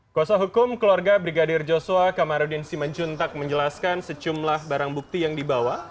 kuasa hukum keluarga brigadir joshua kamarudin simanjuntak menjelaskan sejumlah barang bukti yang dibawa